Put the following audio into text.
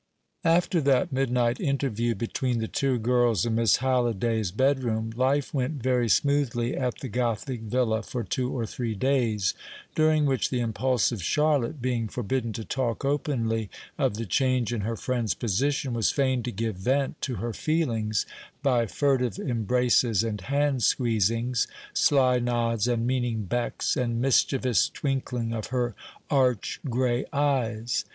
After that midnight interview between the two girls in Miss Halliday's bedroom, life went very smoothly at the gothic villa for two or three days, during which the impulsive Charlotte, being forbidden to talk openly of the change in her friend's position, was fain to give vent to her feelings by furtive embraces and hand squeezings, sly nods and meaning becks, and mischievous twinkling of her arch grey eyes.